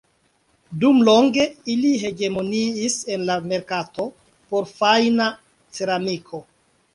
Dumlonge, ili hegemoniis en la merkato por fajna ceramiko.